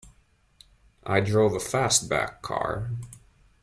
I drove a fastback car.